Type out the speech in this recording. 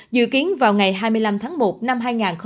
dự kiến vào ngày hai mươi năm tháng một năm hai nghìn hai mươi